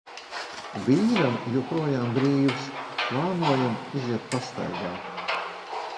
Vīram joprojām brīvs, plānojam iziet pastaigā.